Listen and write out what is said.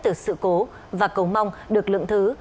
từ sự cố và cầu mong được lượng thứ